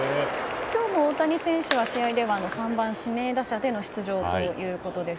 今日の大谷選手の試合は３番指名打者での出場ということです。